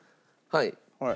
はい。